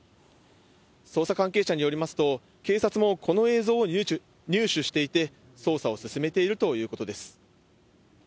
捜査関係者によりますと、警察もこの映像を入手していて、捜査を進めているということです。